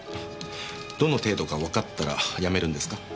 どの程度かわかったらやめるんですか？